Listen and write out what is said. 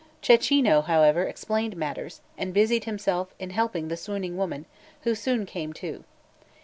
Cecchino, however, explained matters, and busied himself in helping the swooning woman, who soon come to.